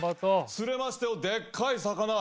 釣れましたよでっかい魚。